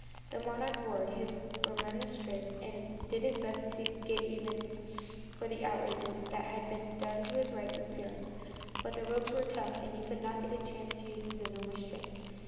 The Monarch roared his remonstrances and did his best to get even for the outrages that had been done to his rights and his feelings, but the ropes were tough and he could not get a chance to use his enormous strength.